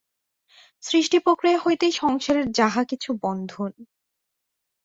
সৃষ্টি প্রক্রিয়া হইতেই সংসারের যাহা কিছু বন্ধন।